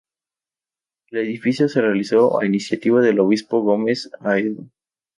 El edificio se realizó a iniciativa del Obispo Gómez Haedo.